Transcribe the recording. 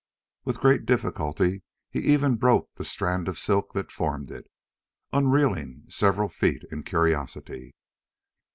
With great difficulty he even broke the strand of silk that formed it, unreeling several feet in curiosity.